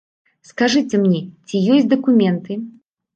Скажыце мне, ці ёсць дакументы?